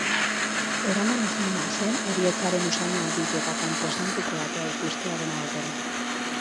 Eramanezina zen heriotzaren usaina aditu eta kanposantuko atea ikustea, dena batera.